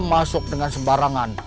masuk dengan sembarangan